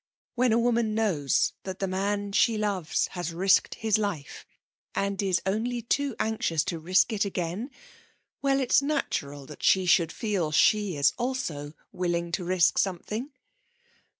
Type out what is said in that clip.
When a woman knows that the man she loves has risked his life, and is only too anxious to risk it again well, it's natural that she should feel she is also willing to risk something.